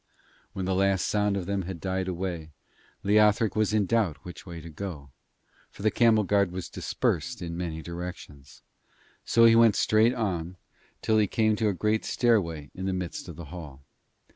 When the last sound of them had died away, Leothric was in doubt which way to go, for the camel guard was dispersed in many directions, so he went straight on till he came to a great stairway in the midst of the hall.